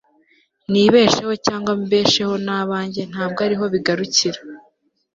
nibesheho cyangwa mbesheho n'abanjye ntabwo ariho bigarukira